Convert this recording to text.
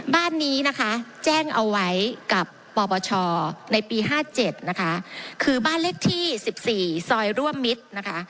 บ้านนี้แจ้งเอาไว้กับปปชในปี๑๙๕๗คือบ้านเลขที่๑๔ซอยร่วมมิตร